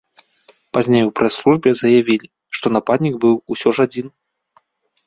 Пазней у прэс-службе заявілі, што нападнік быў усё ж адзін.